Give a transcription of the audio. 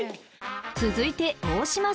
［続いて大島さん］